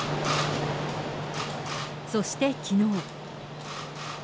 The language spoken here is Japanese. そしてきのう。